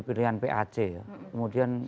pilihan pac kemudian